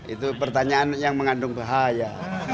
itu pertanyaan yang mengandung bahaya